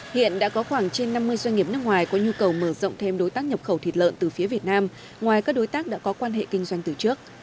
hiện đã có khoảng trên năm mươi doanh nghiệp nước ngoài có nhu cầu mở rộng thêm đối tác nhập khẩu thịt lợn từ phía việt nam ngoài các đối tác đã có quan hệ kinh doanh từ trước